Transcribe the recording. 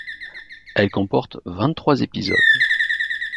Elle comporte vingt-trois épisodes.